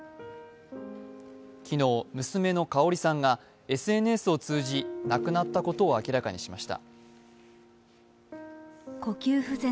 昨日、娘のかおりさんがＳＮＳを通じ、亡くなったことを明らかにしました。